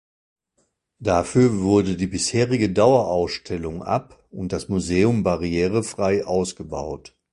Dafür wurde die bisherige Dauerausstellung ab-, und das Museum barrierefrei ausgebaut.